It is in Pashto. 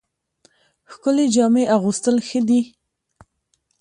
ښکلې جامې اغوستل ښه دي